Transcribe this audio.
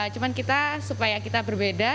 cuma kita supaya kita berbeda